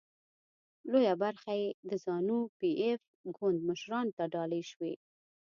لویه برخه یې د زانو پي ایف ګوند مشرانو ته ډالۍ شوې.